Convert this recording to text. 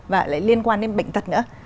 và lại liên quan đến bệnh tật nữa